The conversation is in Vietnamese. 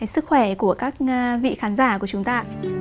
sức khỏe của các vị khán giả của chúng ta